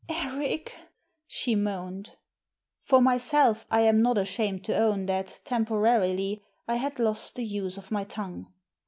" Eric," she moaned. For myself, I am not ashamed to own that, tempo rarily, I had lost the use of my tongue.